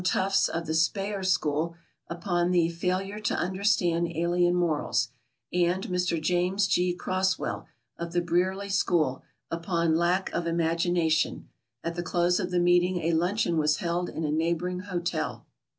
Tufts, of the Speyer School, upon the "Failure to Understand Alien Morals," and Mr. James G. Croswell, of the Brearley School, upon "Lack of Imagination." At the close of the meeting a luncheon was held in a neighboring hotel.